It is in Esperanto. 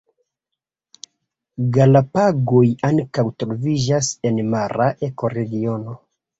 Galapagoj ankaŭ troviĝas en mara ekoregiono.